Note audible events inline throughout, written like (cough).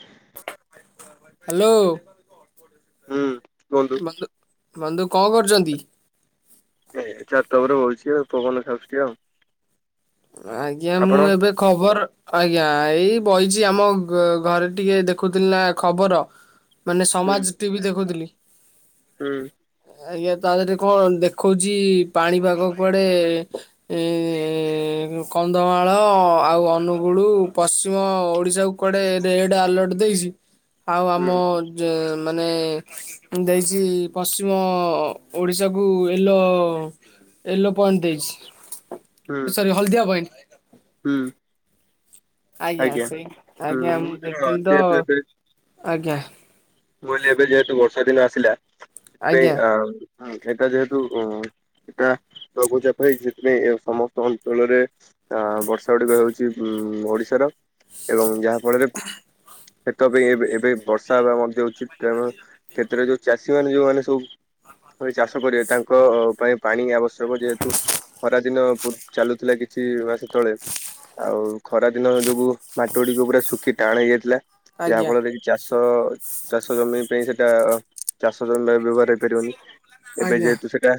ହ ହ୍ୟାଲୋ। ହୁଁ କୁହନ୍ତୁ। ବନ୍ଧୁ ବନ୍ଧୁ କଣ କରୁଛନ୍ତି? ଏ ଛାତ ଉପରେ ବଇଛି ଆଉ ପବନ ଖାଉଛି ଆଉ। ଆଜ୍ଞା ମୁଁ ଆପଣ? ଏବେ ଖବର ଆଜ୍ଞା ଏଇ ବଇଛି ଆମ ଘରେ ଟିକେ ଦେଖୁଥିଲି ନା ଖବର। ମାନେ ହୁଁ ସମାଜ ଟିଭି ଦେଖୁଥିଲି। ହୁଁ। ଆଜ୍ଞା ତା ଦେରେ କଣ ଦେଖଉଛି ପାଣିପାଗ କୁଆଡେ ଏଁ କନ୍ଧମାଳ ଅ ଆଉ ଅନୁଗୁଳ ପଶ୍ଚିମ ଓଡିଶା କୁ କୁଆଡେ ରେଡ୍ ଆଲର୍ଟ ଦେଇଛି। ଆଉ ଆମ ହୁଁ ଯେ ମାନେ ଦେଇଛି ପଶ୍ଚିମ ଓଡିଶା କୁ ୟେଲୋ ୟେଲୋ ପଏଣ୍ଟ ହୁଁ ଦେଇଛି ସରି ହଳଦିଆ ପଏଣ୍ଟ। ହୁଁ। ଆଜ୍ଞା ହୁଁ ସେଇ ଆଜ୍ଞା ମୁଁ ଦେଖିଲି ତ (unintelligible) ଆଜ୍ଞା ବୋଲି ଏବେ ଯେହେତୁ ବର୍ଷା ଦିନ ଆସିଲା ସେଥିପାଇଁ ଆଜ୍ଞା ଆ ହଁ ଏଇଟା ଯେହେତୁ ଅ ଏଟା ଲଘୁଚାପ ହେଇଚି ସେଥିପାଇଁ ସମସ୍ତ ଅଞ୍ଚଳରେ ତ ବର୍ଷା ଗୁଡିକ ହେଉଛି ଉଁ ଓଡିଶା ଏବଂ ଯାହା ଫଳରେ କ୍ଷେତ ପାଇଁ ଏବେ ଏବେ ବର୍ଷା ହେବା ମଧ୍ୟ ଉଚିତ। ତେଣୁ କ୍ଷେତ୍ରରେ ଯୋଉ ଚାଷୀ ମାନେ ଯୋଉମାନେ ସବୁ ଚାଷ କରିବେ ତାଙ୍କ ପାଇଁ ପାଣି ଆବସ୍ କ ଯେହେତୁ ଖରା ଦିନ ପୁ ଚାଲୁଥିଲା କିଛି ମାସ ତଳେ ଆଉ ଖରା ଦିନ ଯୋଗୁ ମାଟ ଗୁଡିକ ପୁରା ଶୁଖି ଟାଣ ହେଇଯାଇଥିଲା ଯାହା ଆଜ୍ଞା ଫଳରେ କି ଚାଷ ଚାଷ ଜମି ପାଇଁ ସେଟା ଚାଷ ଜମି ପାଇଁ ବ୍ୟବହାର ହେଇପାରିବନି। ଏବେ ଆଜ୍ଞା ଯେହେତୁ ସେଟା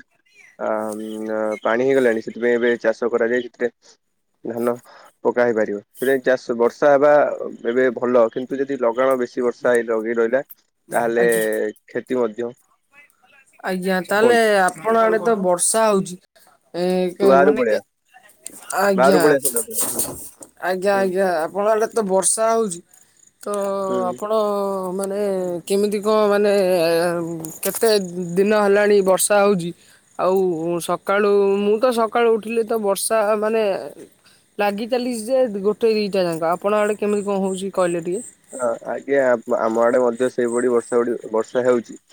ଆଉ ଉଁ ଆ ପାଣି ହେଇଗଲାଣି ସେଥିପାଇଁ ଏବେ ଚାଷ କରାଯାଏ ସେଥିରେ ଧାନ ପକା ହେଇପାରିବ (unintelligible) ଚାଷ ବର୍ଷା ହେବା ଏବେ ଭଲ କିନ୍ କିନ୍ତୁ ଯଦି ଲଗାଣ ବେଶୀ ବର୍ଷା ହେଇ ଲଗେଇ ରହିଲା ତାହେଲେ ଆଜ୍ଞା। କ୍ଷତି ମଧ୍ୟ। ଆଜ୍ଞା ତାହେଲେ କୁହନ୍ତୁ ଆପଣ ଆଡେ ତ ବର୍ଷା ହଉଛି ଏ ତୁ କେ ବାହାରକୁ ମାନେ କେ ପଳେଇଆ ଆଜ୍ଞା ବାହାରକୁ ପଳେଇଆ ଆଜ୍ଞା ହୁଁ ଆଜ୍ଞା ଆପଣ ଆଡେ ତ ବର୍ଷା ହଉଛି ତ ହୁଁ ଆପଣ ମାନେ କେମିତି କଣ ମାନେ ଏ କେତେ ଦିନ ହେଲାଣି ବର୍ଷା ହଉଛି। ଆଉ ସକାଳୁ ମୁଁ ତ ସକାଳୁ ଉଠିଲି ତ ବର୍ଷା ମାନେ ଲାଗି ଚାଲିଛି ଯେ ଗୋଟେ ଦି ଟା ଯାଙ୍କ ଆପଣ ଆଡ଼େ କେମିତି କଣ ହଉଛି କହିଲେ ଟିକେ। ହଁ ଆଜ୍ଞା ଆମ ଆଡେ ମଧ୍ୟ ସେଇଭଳି ବର୍ଷା ଗୁଡ଼ିକ ବର୍ଷା ହେଉଛି।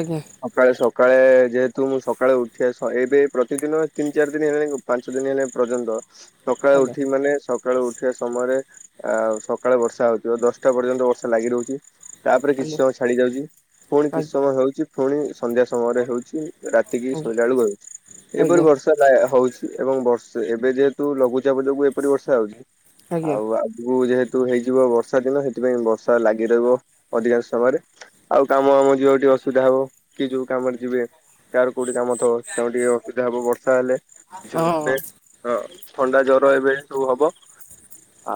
ଆଜ୍ଞା। ସକାଳେ ସକାଳେ ଯେହେତୁ ମୁଁ ସକାଳେ ଉଠିବା ସ ଏବେ ପ୍ରତିଦିନ ତିନି ଚାରି ଦିନ ହେଲାଣି ପାଞ୍ଚ ଦିନ ହେଲେ ଏ ପର୍ଯ୍ୟନ୍ତ ସକାଳୁ ଆଜ୍ଞା ଉଠିବି ମାନେ ସକାଳୁ ଉଠିବା ସମୟରେ ଆ ସକାଳୁ ବର୍ଷା ହଉଛି। ଦଶଟା ପର୍ଯ୍ୟନ୍ତ ବର୍ଷା ଲାଗି ରହୁଛି ତାପରେ କିଛି ଆଜ୍ଞା ସମୟ ଛାଡି ଯାଉଛି ପୁଣି କିଛି ଆଜ୍ଞା ସମୟ ହେଉଛି ପୁଣି ସନ୍ଧ୍ୟା ସମୟରେ ହେଉଛି ରାତିକି ଆଜ୍ଞା ଶୋଇଲା ବେଳକୁ ହେଉଛି ଆଜ୍ଞା ଏଇପରି ବର୍ଷ ବର୍ଷା ହଉଛି ଏବଂ ବର୍ଷେ ଏବେ ଯେହେତୁ ଲଘୁଚାପ ଯୋଗୁଁ ଏପରି ବର୍ଷା ହେଉଛି ଆଜ୍ଞା ଆଉ ଆଗକୁ ଯେହେତୁ ହେଇଯିବ ବର୍ଷ ବର୍ଷା ଦିନ ସେଥିପାଇଁ ବର୍ଷା ଲାଗି ରହିବ ଅଧିକାଂଶ ସମୟରେ। ଆଉ କାମ ଆମ ଯିବାକୁ ଟିକେ ଅସୁବିଧା ହବ କିଏ ଯୋଉ କାମ ରେ ଯିବେ। କାହାର କୋଉଠି କାମ ଥିବ ତାଙ୍କୁ ଟିକେ ଅସୁବିଧା ହବ ବର୍ଷା ହେଲେ ହଁ। (unintelligible) ହଁ ଥଣ୍ଡା ଜର ଏବେ ସବୁ ହବ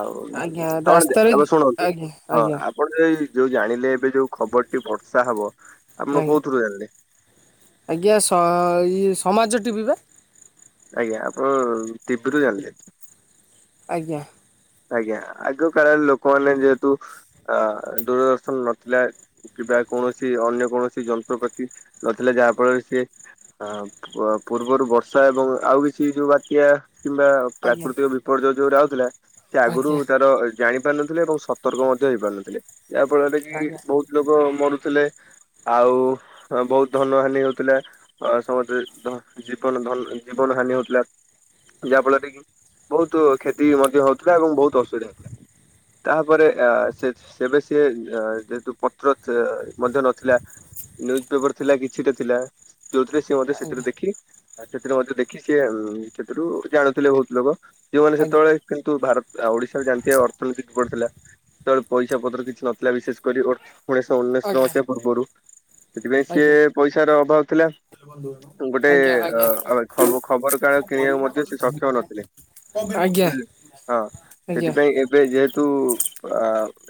ଆଉ ଆଜ୍ଞା ଆପଣ ରାସ୍ତାରେ ତାପରେ ଶୁଣନ୍ତୁ ଆଜ୍ଞା ହଁ ଆଜ୍ଞା ଆପ ଆପଣ ଏ ଯୋଉ ଜାଣିଲେ ଏବେ ଯୋଉ ଖବରଟି ବର୍ଷା ହବ ଆପଣ ଆଜ୍ଞା କୋଉଥିରୁ ଜାଣିଲେ? ଆଜ୍ଞା ସ ଇ ସମାଜ ଟିଭିିି ବା। ଆଜ୍ଞା ଆପଣ ଟିବି ରୁ ଜାଣିଲେ? ଆଜ୍ଞା। ଆଜ୍ଞା ଆଗ କାଳରେ ଲୋକମାନେ ଯେହେତୁ ଅ ଦୂରଦର୍ଶନ ନଥିଲା କିମ୍ବା କୌଣସି ଅନ୍ୟ କୌଣସି ଯନ୍ତ୍ରପାତି ନଥିଲା ଯାହା ଫଳରେ ସିଏ ହ ପୂର୍ବରୁ ବର୍ଷା ଏବଂ ଆଉ କିଛି ଯୋଉ ବାତ୍ୟା କିମ୍ବା ଆଜ୍ଞା ପ୍ରାକୃତିକ ବିପର୍ଯ୍ୟୟ ଯୋଉରା ହୋଉଥିଲା ସେ ଆଗରୁ ଆଜ୍ଞା ତାର ଜାଣି ପାରୁନଥିଲେ ଏବଂ ସତର୍କ ମଧ୍ୟ ହେଇପାରୁନଥିଲେ ଯାହା ଫଳରେ କି ବହୁତ ଲୋକ ମରୁଥିଲେ। ଆଉ ବହୁତ ଧନ ହାନି ହଉଥିଲା। ଆ ସମସ୍ତେ ଜୀବନ ଧ ଜୀବନ ହାନି ହଉଥିଲା। ଯାହା ଫଳରେ କି ବହୁତ କ୍ଷତି ମଧ୍ୟ ହଉଥିଲା ଏବଂ ବହୁତ ଅସୁବିଧା ହେଉଥିଲା। ତାପରେ ଅ ସେ ସେବେ ସିଏ ଯେହେତୁ ପତ୍ର ମଧ୍ୟ ନଥିଲା। ନ୍ୟୁଜ ପେପର ଥିଲା କିଛିଟା ଥିଲା ଯୋଉଥିରେ ସିଏ ମଧ୍ୟ ସେଥିରୁ ଆଜ୍ଞା ଦେଖି ସେଥିରୁ ମଧ୍ୟ ଦେଖି ସିଏ ସେଥିରୁ ଜାଣୁଥିଲେ ବହୁତ ଲୋକ। ଯୋଉମାନେ ଆଜ୍ଞା ସେତେବେଳେ ତୁ ଭାରତଉ ଓଡିଶାରେ ଜାଣିଥିବ ଅର୍ଥନୀତି କିଭଳି ଥିଲା ସେତେବେଳେ ପଇସା ପତ୍ର କିଛି ନଥିଲା ବିଶେଷ କରି ଉଣେଇଶହ ଅନେଇଶ ଆଜ୍ଞା ମସିହା ପୂର୍ବରୁ ସେଥିପାଇଁ ସିଏ ଆଜ୍ଞା ପଇସାର ଅଭାବ ଥିଲା। ଗୋଟେ ଆଜ୍ଞା ଆଜ୍ଞା ଅ ଖ ଖବର କାଗଜ କିଣିବାକୁ ମଧ୍ୟ ସେ ସକ୍ଷମ ନଥିଲେ। ଆଜ୍ଞା। ବୁଝିଲେ ହଁ ଆଜ୍ଞା ସେଥିପାଇଁ ଏବେ ଯେହେତୁ ଅ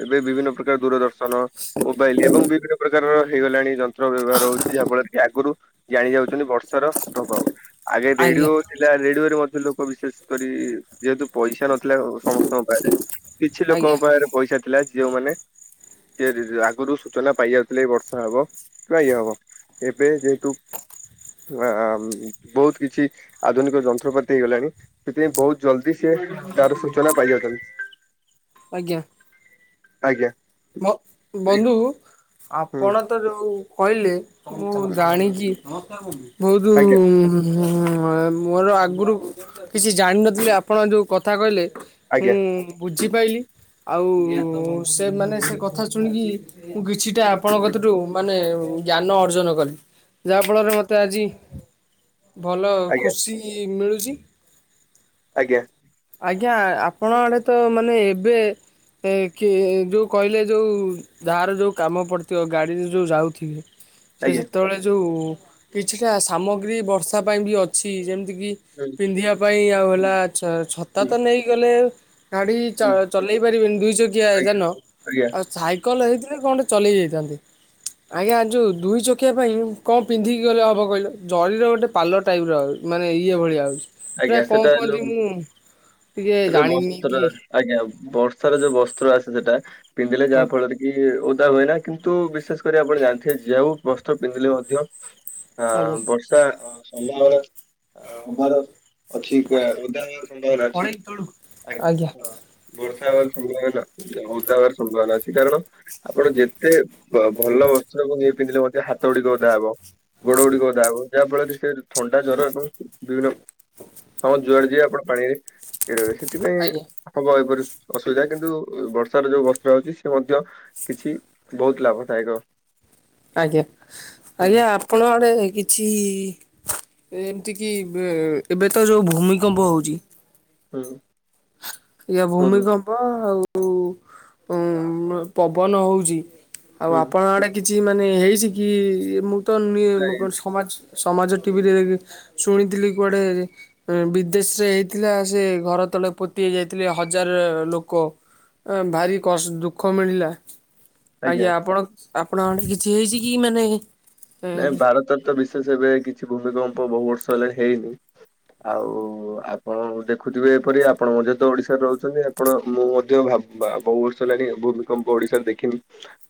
ଏବେ ବିଭିନ୍ନ ପ୍ରକାର ଦୂରଦର୍ଶନ ନ ମୋବାଇଲ ଏବଂ ବିଭିନ୍ନ ପ୍ରକାର ହେଇଗଲାଣି ଯନ୍ତ୍ର ବ୍ୟବହାର ହଉଛି ଯାହାଫଳରେ କି ଆଗରୁ ଜାଣି ଯାଉଛନ୍ତି ବର୍ଷାର ପ୍ରଭାବ ଆଗେ ଆଜ୍ଞା ରେଡିଓ ଥିଲା ରେଡିଓରେ ମଧ୍ୟ ଲୋକ ବିଶେଷ କରି ଯେହେତୁ ପଇସା ନଥିଲା ସମସ୍ତଙ୍କ ପାଖରେ କିଛି ଲୋକଙ୍କ ଆଜ୍ଞା ପାଖରେ ପଇସା ଥିଲା ଯେଉମାନେ କି ଆଗରୁ ସୂଚନା ପାଇ ଯାଉଥିଲେ ବର୍ଷା ହବ କିମ୍ବା ଇଏ ହବ। ଏବେ ଯେହେତୁ ଆ ବହୁତ କିଛି ଆଧୁନିକ ଯନ୍ତ୍ରପାତି ହେଇଗଲାଣି ସେଥିପାଇଁ ବହୁତ ଜଲ୍ଦି ସିଏ ତାର ସୂଚନା ପାଇଯାଉଛନ୍ତି। ଆଜ୍ଞା। ଆଜ୍ଞା। ବନ୍ଧୁ ହୁଁ ଆପଣ ତ ଯୋଉ କହିଲେ ମୁଁ ଜାଣିଛି ବହୁତ ଆଜ୍ଞା ମୋର ଆଗରୁ କିଛି ଜାଣିନଥିଲେ ଆପଣ ଯୋଉ କଥା କହିଲେ ଆଜ୍ଞା ମୁଁ ବୁଝିପାଇଲି। ଆଉ ସେମାନେ ସେ କଥା ଶୁଣିକି ମୁଁ କିଛିଟା ଆପଣଙ୍କ କତୀରୁ ମାନେ ଜ୍ଞାନ ଅର୍ଜନ କଲି। ଯାହା ଫଳରେ ମତେ ଆଜି ଭଲ ଆଜ୍ଞା ଖୁସି ମିଳୁଛି। ଆଜ୍ଞା ଆଜ୍ଞା ଆପଣ ଆଡେ ତ ମାନେ ଏବେ କି ଯୋଉ କହିଲେ ଯୋଉ ଯାହାର ଯେଉଁ କାମ ପଡ଼ିଥିବ ଗାଡ଼ିରେ ଯେଉଁ ଯାଉଥିବେ ସେ ଆଜ୍ଞା ଯେତେବେଳେ ଯୋଉ କିଛିଟା ସାମଗ୍ରୀ ବର୍ଷା ପାଇଁ ବି ଅଛି ଯେମିତି କି ହୁଁ ପିନ୍ଧିବା ପାଇଁ ଆଉ ହେଲା ଆଛ ଛତା ତ ହୁଁ ନେଇଗଲେ ଗାଡି ହୁଁ ଚଲେଇ ପାରିବେନି ଦୁଇ ଚକିଆ ଆଜ୍ଞା ଜାନ। ଆଜ୍ଞା। ସାଇକେଲ ହେଇଥିଲେ କଣ ଗୋଟେ ଚଲେଇ ଯାଇଥାନ୍ତେ ଆଜ୍ଞା ଯୋଉ ଦୁଇ ଚକ ଶଖିବା ପାଇଁ କଣ ପିନ୍ଧିକି ଗଲେ ହବ କହିଲ ଜରିର ଗୋଟେ ପାଲ ଟାଇପର ଉ ମାନେ ଇଏ ଭଳିଆ ଆଉଛି। ପୁରା ଆଜ୍ଞା କଣ ସେଟା କୁହନ୍ତି ଯୋଉ ମୁଁ ଟିକେ ସେ ଯୋଉ ଜାଣିନି ବସ୍ତ୍ର ଟିକେ। ଆଜ୍ଞା ବର୍ଷାର ଯୋଉ ବସ୍ତ୍ର ଆସେ ସେଟା ପିନ୍ଧିଲେ ଯାହା ଫଳରେ କି ଓଦା ହୁଏନା କିନ୍ତୁ ବିଶେଷ କରି ଆପଣ ଜାଣିଥିବେ ଯେଉ ବସ୍ତ୍ର ପିନ୍ଧିଲେ ମଧ୍ୟ ହ ଆଜ୍ଞା। ବର୍ଷା ଅ ସଭମଳ ଅ ହବାର ଅଛି ଅ ଓଧା ହେଇବାର ସମ୍ଭାବନା ଅଛି ଆଜ୍ଞା। ବର୍ଷା ହବାର ସମ୍ଭାବନା ଓଦା ହବାର ସମ୍ଭାବନା ଅଛି କାରଣ ଆପଣ ଯେତେ ବ ଭଲ ବସ୍ତ୍ରକୁ ନେଇ ପିନ୍ଧିଲେ ମଧ୍ୟ ହାତ ଗୁଡିକ ଓଦା ହବ। ଗୋଡ ଗୁଡ଼ିକ ଓଦା ହବ ଯାହା ଫଳରେ ସେ ଥଣ୍ଡା ଜର ଏବଂ ବିଭିନ୍ନ ସମସ୍ତ ଯୁଆଡେ ଯିବେ ଆପଣ ପାଣିରେ ଇଏ ରହିବେ ସେଥିପାଇଁ ହବ ଏଇ ପରି। ଅସୁବିଧା କିନ୍ତୁ ବର୍ଷାର ଯୋଉ ବସ୍ତ୍ର ହଉଚି ସେ ମଧ୍ୟ କିଛି ବୋହୁତ ଲାଭଦାୟକ ଆଜ୍ଞା। ହୁଁ ହୁଁ। ଆଜ୍ଞା ଆପଣ ଆଡ଼େ କିଛି ଏମିତି କି ଏବେ ଏବେ ତ ଯୋଉ ଭୂମିକମ୍ପ ହଉଚି। ହୁଁ। ୟ କୁହନ୍ତୁ ଭୂମିକମ୍ପ ଆଉ ଉ ପବନ ହଉଚି। ଆଉ ହୁଁ ଆପଣ ଆଡେ କିଛି ମାନେ ହେଇଚି କି ମୁଁ ତ ନିଏ ନୋ ଆଜ୍ଞା ସମାଜ ସମାଜ ଟିଭିରେ ଶୁଣିଥିଲି କୁଆଡେ ଏ ବିଦେଶ ରେ ହେଇଥିଲା ସେ ଘର ତଳେ ପୋତ୍ ତି ହେଇ ଯାଇଥିଲେ ହଜାର ଲୋକ ଭାରି କ ଦୁଃଖ ମିଳିଲା। ଆଜ୍ଞା ଆପଣ ଆପଣ ଆଡେ କିଛି ହେଇଛି କି ମାନେ ନାଇଁ ଭାରତର ତ ବିଶେଷ ଏବେ କିଛି ଭୂମିକମ୍ପ ବୋହୁ ବର୍ଷ ହେଲାଣି ହେଇନି। ଆଉ ଆପଣ ଗୋ ଦେଖୁଥିବେ ଏପରି ଆପଣ ମଧ୍ୟ ତ ଓଡିଶାରେ ରହୁଚନ୍ତି। ଆପଣ ମୁଁ ମଧ୍ୟ ଭାବ ବହୁ ବର୍ଷ ହେଲାଣି ଭୂମିକମ୍ପ ଓଡିଶାରେ ଦେଖିନି।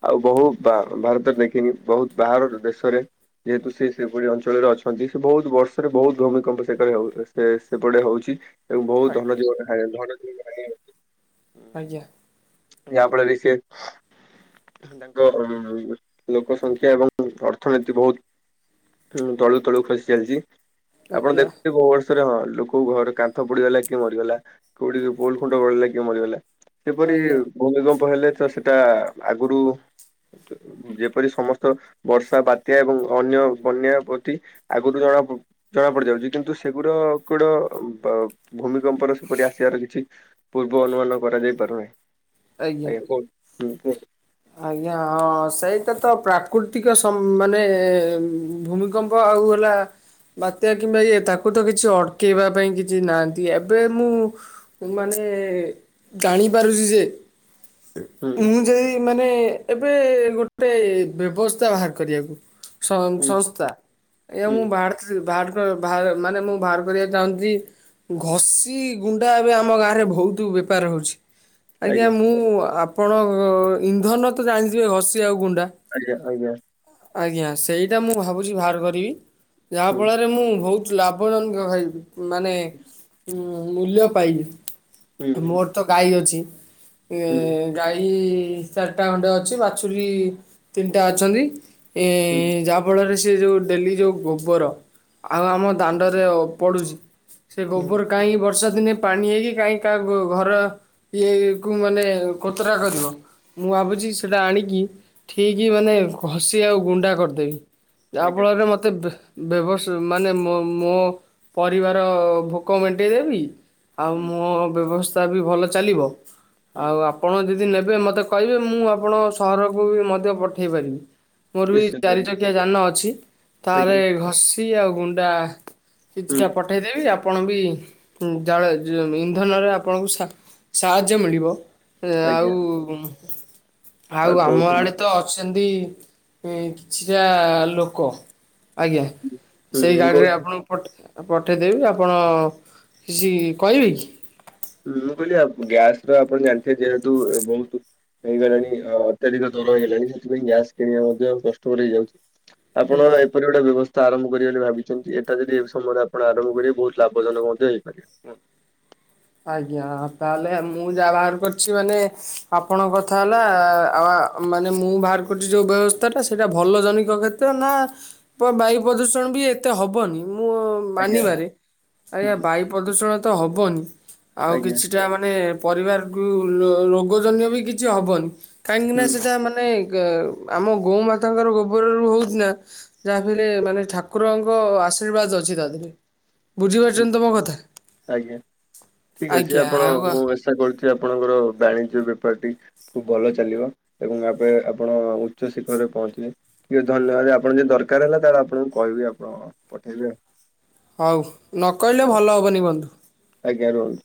ଆଉ ବହୁ ଭା ଭାରତରେ ଦେଖିନି ବହୁତ ବାହାର ଦେଶରେ। ଯେହେତୁ ସେ ସେପରି ଅଞ୍ଚଳରେ ଅଛନ୍ତି ସେ ବହୁତ ବର୍ଷରେ ବହୁତ ଭୂମିକମ୍ପ ସେକରେ ହଉ ସେ ସେପଟେ ହଉଚି। ଏବଂ ଆଜ୍ଞା ବୋହୁତ ଧନ ଜୀବନ ହାଏ ଧନ ଜୀବନ ହାନି ହଉଚି। ଆଜ୍ଞା। ଯାହା ଫଳରେ କି ସେ ତାଙ୍କ ଲୋ ଲୋକ ସଂଖ୍ୟା ଏବଂ ଅର୍ଥ ଅର୍ଥନୀତି ବୋହୁତ ତଳୁ ତଳୁ ଖସି ଚାଲିଚି ଆପଣ ଆଜ୍ଞା ଦେଖୁବେ ବହୁ ବର୍ଷ ଥିରେ ହଁ ଲୋକ ଘରେ କନ୍ଥ ପଡିଗଲା କିଏ ମରିଗଲା କୋଉଠିକି ପୋଲ ଖୁଣ୍ଟ ଗଳେଇଲା କିଏ ମରିଗଲା। ସେପରି ଆଜ୍ଞା ଭୂମିକମ୍ପ ହେଲେ ତ ସେଟା ଆଗୁରୁ ଯ ଯେପରି ସମସ୍ତ ବର୍ଷ ତା ବାତ୍ୟା ଏବଂ ଅନ୍ୟ ବନ୍ୟା ପ୍ରତି ଆଗୁରୁ ଜଣା ପ ଜଣା ପଡି ଯାଉଚି କିନ୍ତୁ ସେଗୁଡ କୋଡ ବ ଭୂମିକମ୍ପର ସେପରି ଆସିବାର କିଛି ପୂର୍ବ ଅନୁମାନ କରାଯାଇ ପାରୁନାହିଁ ଆଜ୍ଞା କୁହନ୍ତୁ ହୁଁ କୁହନ୍ତୁ। ଆଜ୍ଞା ହଁ ସେଇଟା ତ ପ୍ରାକୃତିକ ସ ମାନେ ଭୂମି କ ଗମ୍ପ ଆଉ ହେଲା ବାତ୍ୟା କିମ୍ବା ଇଏ ତାକୁ ତ କିଛି ଅଟକେଇବା ପାଇଁ କିଛି ନାହାନ୍ତି ଏବେ ମୁଁ ସେମାନେ ଜାଣିପାରୁଛି ଯେ। କୁହନ୍ତୁ ମୁଁ ଯାଇ ମାନେ ଏବେ ଗୋଟେ ବ୍ୟବସ୍ଥା ବାହାର କରିବାକୁ ସ ହୁଁ ସଂସ୍ଥା। ଆଜ୍ଞା ହୁଁ ମୁଁ ହୁଁ ବାହାରତ୍ ବାହାର ବାହାର ମାନେ ମୁଁ ବାହାର କରିବାକୁ ଚାହୁଁଛି। ଘଷି ଗୁଣ୍ଡା ଏବେ ଆମ ଗାଁ ରେ ବୋହୁତ ବେପାର ହୋଉଚି। ଆଜ୍ଞା ମୁଁ ଆପଣ ଇନ୍ଧନ ତ ଜାଣିଥିବେ ଘସି ଆଉ ଗୁଣ୍ଡା। ଆଜ୍ଞା ଆଜ୍ଞା। ଆଜ୍ଞା ସେଇଟା ମୁଁ ଭାବୁଛି ବାହାର କରିବି ଯାହା ହୁଁ ଫଳରେ ମୁଁ ବୋହୁତ ଲାଭଜନକ ଦ୍ଭାଇ ବି। ମାନେ ଉଁ ମୂଲ୍ୟ ପାଇଲି। ହୁଁ ହୁଁ ମୋର୍ ତ ଗାଈ ଅଛି। ହୁଁ ଏ ଗାଈ ଚାରିଟା ଅଣ୍ଡେ ଅଛି ବାଛୁରୀ ତିନିଟା ଅଛନ୍ତି ଏଁ ହୁଁ ଯା ଫଳରେ ସେ ଯେଉ ଡେଲି ଯେଉ ଗୋବର, ଆଉ ଆମ ଦାଣ୍ଡରେ ପଡ଼ୁଛି ସେ ଗୋବର କାହିଁକି ବର୍ଷା ଦିନେ ପାଣି ହେଇକି କାହିଁ କାହା ଗ ଘର ଇଏ କୁ ମାନେ ଏ ଓ କୋତରା କରିବ। ମୁଁ ଭାବୁଛି ସେଟା ଆଣିକି ଠିକି ମାନେ ଘଷି ଆଉ ଗୁଣ୍ଡା କରିଦେବି। ଆଜ୍ଞା ଯାହାଫଳରେ ମୋତେ ବେ ବ୍ୟବସ୍ ମାନେ ମୋ ମୋ ପରିବାର ଭୋକ ମେଣ୍ଟେଇ ଦେବି ଆଉ ହୁଁ ମୋ ବ୍ୟବସ୍ଥା ବି ଭଲ ଚାଲିବ। ହୁଁ ଆଉ ଆପଣ ଯଦି ନେବେ ମୋତେ କହିବେ, ମୁଁ ଆପଣଙ୍କ ସହରକୁ ବି ମଧ୍ୟ ପଠେଇ ପାରିବି। ମୋର ବି ନିଶ୍ଚିତ ଚାରି ଚକିଆ ଯାନ ଅଛି। ଆଜ୍ଞା। ତାହେରେ ଘଷି ଆଉ ଗୁଣ୍ଡା ହୁଁ କିଛିଟା ପଠେଇଦେବି। ଆପଣ ବି ଜାଳ ଯ ଇନ୍ଧନରେ ଆପଣଙ୍କୁ ସା ସାହାଯ୍ୟ ମିଳିବ। ଏଁ ଆଜ୍ଞା ଆଉ ଆଉ ଆମ ଆଡେ ତ ସେମତି ଏଁ କିଛିଟା ଲୋକ ଆଜ୍ଞା। ହୁଁ ସେଇ ମୁଁ ଗାଡ଼ିରେ କହୁଥିଲି ଆପଣ ପଟ୍ ପଠାଇଦେବି ଆପଣ କିଛି କହିବେ କି? ମୁଁ କହିଲି ଆପ୍ ଗ୍ୟାସର ଆପଣ ଜାଣିଥିବେ ଯେହେତୁ ବହୁତୁ ହେଇଗଲାଣି ଅ ଅତ୍ୟଧିକ ଜର ହେଇଗଲାଣି। ସେଥିପାଇଁ ଗ୍ୟାସ କିଣିବା ମଧ୍ୟ କଷ୍ଟକର ହେଇଯାଉଛି ଆପଣଙ୍କର ଆଜ୍ଞା ଏ ପଟେ ଗୋଟେ ବ୍ୟବସ୍ଥା ଆରମ୍ଭ କରିବାିବ ବୋଲି ଭାବିଛନ୍ତି ଏଇଟା ଯଦି ଏ ସମୟରେ ଆପଣ ଆରମ୍ଭ କରିବେ ବହୁତ ଲଭଜନକ ମଧ୍ୟ ହେଇ ପା (inaudible) ଆଜ୍ଞା ତାହେଲେ ମୁଁ ଯାହା ବାହାର କରିଛି ମାନେ ଆପଣଙ୍କ କଥା ହେଲା ଆ ମାନେ ମୁଁ ବାହାର କରୁଛି ଯେଉଁ ବ୍ୟବସ୍ଥାଟା ସେଇଟା ଭଲ ଜନିକ କ୍ଷେତ୍ର ନା ପ ବାୟୁ ପ୍ରଦୂଷଣ ବି ଏତେ ହେବନି। ମୁଁ ଆଜ୍ଞା ମାନିବାରେ ଆଜ୍ଞା ହୁଁ ବାୟୁ ପ୍ରଦୂଷଣ ତ ହବନି ଆଉ ଆଜ୍ଞା କିଛିଟା ମାନେ ପରିବାରକୁ ରୋ ରୋଗ ଜନିକ ବି କିଛି ହବନି କାହିଁକିନା ହୁଁ ସେଟା ମାନେ କ ଆମ ଗୋମାତାଙ୍କର ଗୋବରରୁ ହଉଛି ନା ଯାହା ବି ହେଲେ ମାନେ ଠାକୁରଙ୍କ ଆଶୀର୍ବାଦ ଅଛି ତାଦିରେ। ବୁଝି ହୁଁ ପାରୁଛନ୍ତି ତ ମୋ କଥା? ଆଜ୍ଞା। ଠିକ ଅଛି ଆଜ୍ଞା ଆପଣ ଆଉ ମୁଁ ଆଶା କରୁଛି ଆପଣଙ୍କର ବାଣିଜ୍ୟ ବେପାରଟି ଖୁବ ଭଲ ଚାଲିବ ଏବଂ ଆପେ ଆପଣ ଉଚ୍ଚ ଶିଖରରେ ପହଞ୍ଚିଲେ ଏ ଧନ୍ୟବାଦ। ଆପଣ ଯଦି ଦରକାର ହେଲା ତାହେଲେ ଆପଣଙ୍କୁ କହିବି, ଆପଣ ପଠେଇବେ ଆଉ। ହଉ ନକହିଲେ ଭଲ ହବନି ବନ୍ଧୁ। ଆଜ୍ଞା ରୁହନ୍ତୁ।